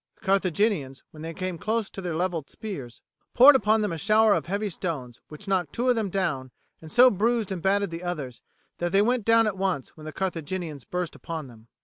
The Carthaginians, when they came close to their levelled spears, poured upon them a shower of heavy stones, which knocked two of them down and so bruised and battered the others that they went down at once when the Carthaginians burst upon them.